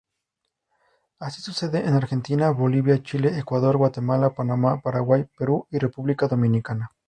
Así sucede en Argentina, Bolivia, Chile, Ecuador, Guatemala, Panamá, Paraguay, Perú y República Dominicana.